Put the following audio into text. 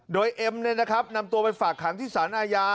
โดยเอ็มนำตัวไปฝากขังที่สารอาญา